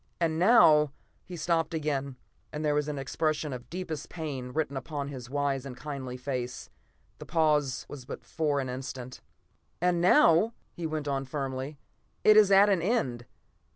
And now " He stopped again, and there was an expression of deepest pain written upon his wise and kindly face. The pause was for but an instant. "And now," he went on firmly, "it is at an end.